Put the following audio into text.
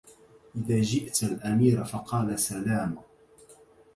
إذا جئت الأمير فقل سلام